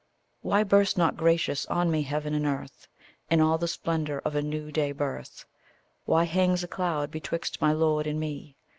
Why burst not gracious on me heaven and earth In all the splendour of a new day birth? Why hangs a cloud betwixt my lord and me?